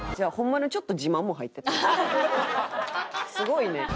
すごいね。